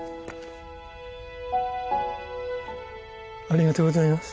ありがとうございます。